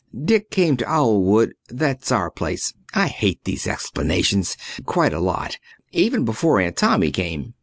Dick came to Owlwood that's our place; I hate these explanations quite a lot, even before Aunt Tommy came.